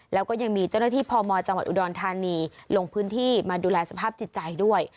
แล้วก็ยังมีเจ้าหน้าที่พมจังหวัดอุดรธานีลงพื้นที่มาดูแลสภาพจิตใจด้วย